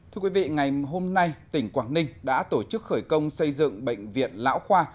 thưa quý vị ngày hôm nay tỉnh quảng ninh đã tổ chức khởi công xây dựng bệnh viện lão khoa